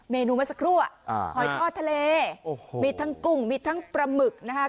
เมนูไม่สักครั่วหอยทอดทะเลมีทั้งกุ้งมีทั้งประหมึกนะฮะ